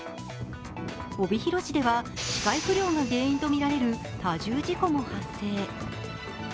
帯広市では、視界不良が原因とみられる多重事故も発生。